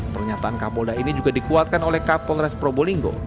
pernyataan kapolda ini juga dikuatkan oleh kapolda sprobolinggo